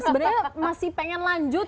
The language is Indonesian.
sebenarnya masih pengen lanjut